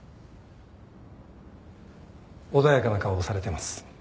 穏やかな顔をされてます。